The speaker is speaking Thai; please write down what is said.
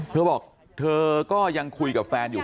เธอบอกเธอก็ยังคุยกับแฟนอยู่